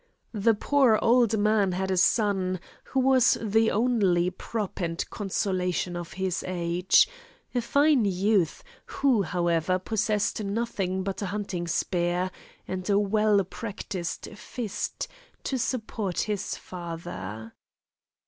The poor old man had a son, who was the only prop and consolation of his age a fine youth, who however possessed nothing but a hunting spear, and a well practised fist to support his father.